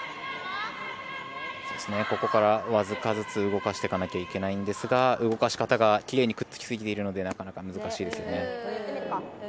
ここから僅かずつ動かしていかなきゃいけないんですが動かし方がきれいにくっつきすぎているのでなかなか難しいですね。